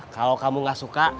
kalau kamu gak suka